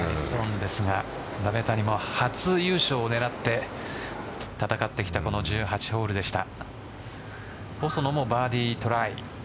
鍋谷も初優勝を狙って戦ってきたこの１８番ホールでした。